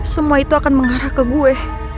semua itu akan mengarah ke gue